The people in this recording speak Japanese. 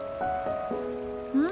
うん？